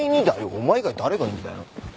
お前以外誰がいるんだよ。